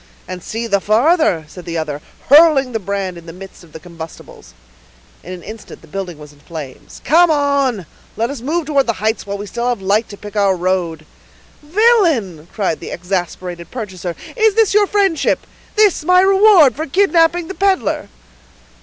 "And see the farther," said the other, hurling the brand in the midst of the combustibles. In an instant the building was in flames. "Come on; let us move towards the heights while we have light to pick our road." "Villain!" cried the exasperated purchaser, "is this your friendship—this my reward for kidnapping the peddler?"